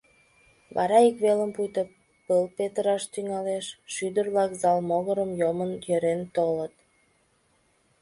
Вара ик велым пуйто пыл петыраш тӱҥалеш — шӱдыр-влак зал могырым йомын йӧрен толыт.